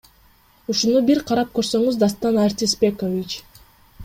Ушуну бир карап көрсөңүз Дастан Артисбекович.